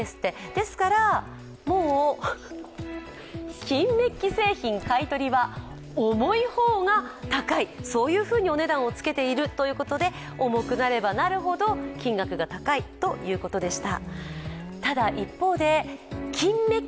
ですから、金メッキ製品買い取りは重い方が高い、そういうふうにお値段をつけてるということで重くなればなるほど金額が高いということでした。